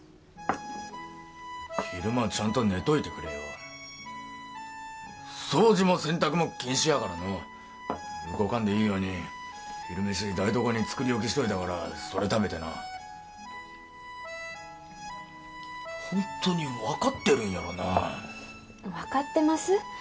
昼間ちゃんと寝といてくれよ掃除も洗濯も禁止やからのう動かんでいいように昼飯台所に作り置きしといたからそれ食べてなホントに分かってるんやろな分かってます